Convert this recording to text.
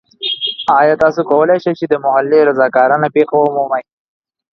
ایا تاسو کولی شئ د محلي رضاکارانه پیښه ومومئ؟